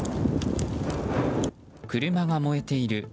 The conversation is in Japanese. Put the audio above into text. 車が燃えている。